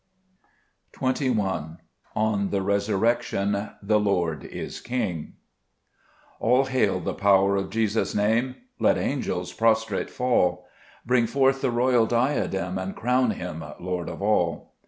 38 Gbe JiSest Gburcb Ibamns. 2 J On tbe iResurrectfon— Ube XorD is Iking, ALL hail the power of Jesus' Name ! Let angels prostrate fall ; Bring forth the royal diadem, And crown Him Lord of all.